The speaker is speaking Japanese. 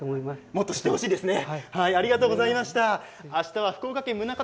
もっと知ってほしいですね。